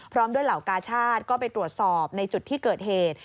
พร้อมด้วยเหล่ากาชาติก็ไปตรวจสอบในจุดที่เกิดเหตุ